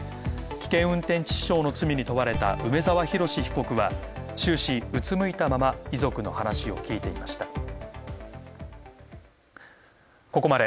危険運転致死傷の罪に問われた梅沢洋被告は終始うつむいたまま遺族の話を聞いていました。